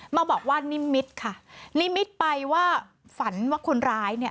มาบอกว่านิมิตค่ะนิมิตไปว่าฝันว่าคนร้ายเนี่ย